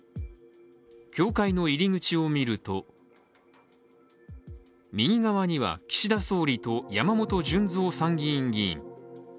教会の入り口を見ると右側には岸田総理と山本順三参院議員。